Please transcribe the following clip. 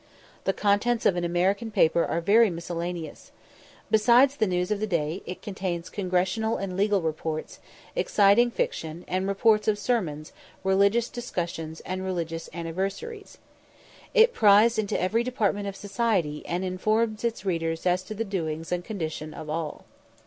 The contents of an American paper are very miscellaneous. Besides the news of the day, it contains congressional and legal reports, exciting fiction, and reports of sermons, religious discussions, and religious anniversaries. It prys into every department of society, and informs its readers as to the doings and condition of all.